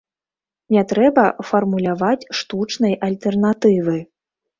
Не трэба фармуляваць штучнай альтэрнатывы.